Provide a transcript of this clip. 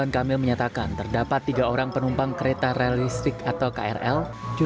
kepada penumpang krl